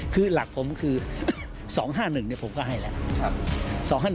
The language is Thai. คือหลักผมคือ๒๕๑ผมก็ให้แล้ว